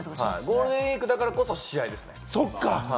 ゴールデンウイークこそ試合ですね。